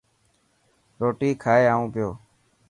روٽي کائي اون پيو.